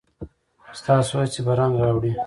ستاسو هڅې به رنګ راوړي.